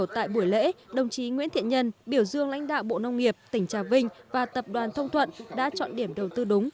tại buổi lễ đồng chí nguyễn thiện nhân biểu dương lãnh đạo bộ nông nghiệp tỉnh trà vinh và tập đoàn thông thuận đã chọn điểm đầu tư đúng